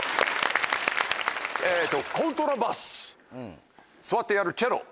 コントラバス座ってやるチェロ。